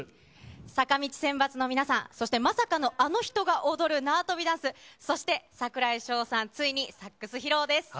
坂道選抜の皆さん、そして、まさかのあの人が踊る縄跳びダンス、そして櫻井翔さん、ついにサックス披露。